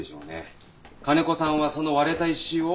金子さんはその割れた石を。